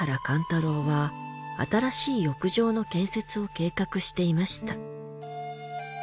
寛太郎は新しい浴場の建設を計画していました。